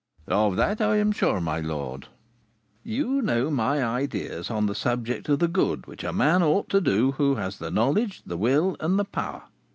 "Of that I am sure, my lord." "You know my ideas on the subject of the good which a man ought to do who has the knowledge, the will, and the power.